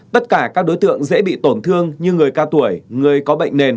tất cả các đối tượng dễ bị tổn thương như người cao tuổi người có bệnh nền